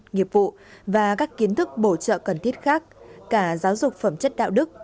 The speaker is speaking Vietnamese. nghiệp vụ và các kiến thức bổ trợ cần thiết khác cả giáo dục phẩm chất đạo đức